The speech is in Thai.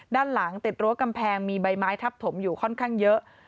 ด้านหลังติดรั้วกำแพงมีใบไม้ทับถมอยู่ค่อนข้างเยอะ